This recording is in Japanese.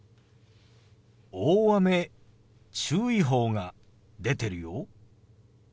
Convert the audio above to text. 大雨注意報が出てるよ。